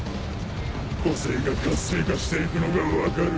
個性が活性化して行くのが分かる。